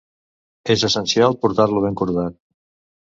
És essencial portar-lo ben cordat.